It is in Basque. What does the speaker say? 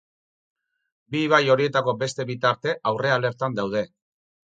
Bi ibai horietako beste bi tarte aurrealertan daude.